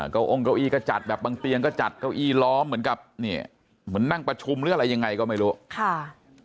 เก้าองเก้าอี้ก็จัดแบบพังเตียนก็จัดเก้าอี้ล้อมเหมือนกับนั่งประชุมละอะไรยังไงก็ไม่รู้